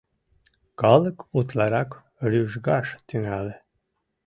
Калык утларак рӱжгаш тӱҥале.